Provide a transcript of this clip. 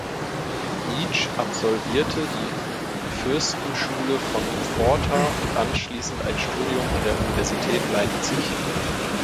Nitsch absolvierte die Fürstenschule von Pforta und anschließend ein Studium an der Universität Leipzig.